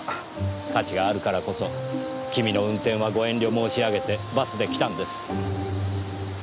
価値があるからこそ君の運転はご遠慮申し上げてバスで来たんです。